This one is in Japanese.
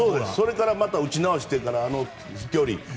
それからまた打ち直してあの飛距離。